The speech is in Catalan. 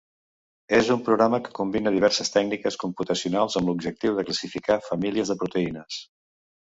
És un programa que combina diverses tècniques computacionals amb l'objectiu de classificar famílies de proteïnes.